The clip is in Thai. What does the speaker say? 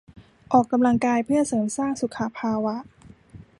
ออกกำลังกายเพื่อเสริมสร้างสุขภาวะ